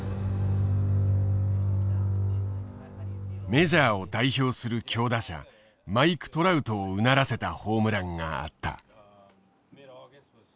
メジャーを代表する強打者マイク・トラウトをうならせたホームランがあった。